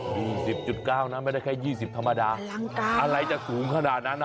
ยี่สิบจุดเก้านะไม่ได้แค่ยี่สิบธรรมดาร่างกายอะไรจะสูงขนาดนั้นอ่ะ